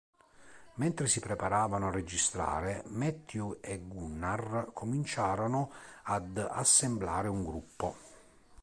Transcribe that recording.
Mentre si preparavano a registrare, Matthew e Gunnar cominciarono ad assemblare un gruppo.